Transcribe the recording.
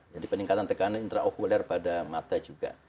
jadi peningkatan tekanan intraokuler pada mata juga